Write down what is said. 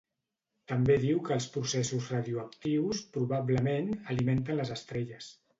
També diu que els processos radioactius probablement alimenten les estrelles.